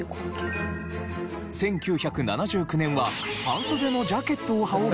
１９７９年は半袖のジャケットを羽織るのを推奨。